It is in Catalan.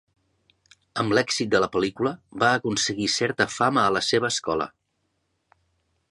Amb l'èxit de la pel·lícula, va aconseguir certa fama a la seva escola.